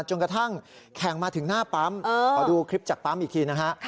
จนกระทั่งแข่งมาถึงหน้าปั๊มขอดูคลิปจากปั๊มอีกทีนะฮะ